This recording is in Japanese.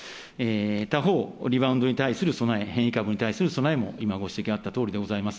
他方、リバウンドに対する備え、変異株に対する備えも今、ご指摘があったとおりでございます。